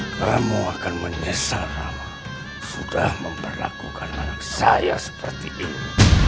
kamu akan menyesal sudah memperlakukan anak saya seperti ini